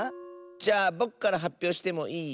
じゃあぼくからはっぴょうしてもいい？